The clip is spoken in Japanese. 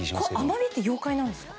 アマビエって妖怪なんですか？